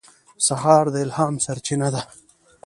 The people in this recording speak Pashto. سهار د الهام سرچینه ده.